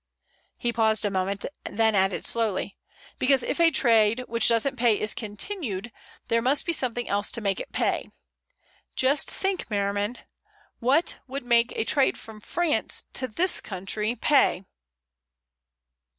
He paused a moment, then added slowly: "Because if a trade which doesn't pay is continued, there must be something else to make it pay. Just think, Merriman. What would make a trade from France to this country pay?"